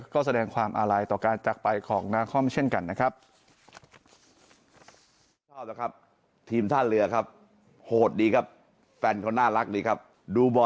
ก็แสดงความอาลัยต่อการจักรไปของนาคอมเช่นกันนะครับ